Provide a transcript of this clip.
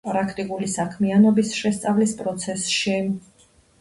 პრაქტიკული საქმიანობის შესწავლის პროცესში.